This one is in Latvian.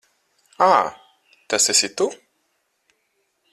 Ā, tas esi tu.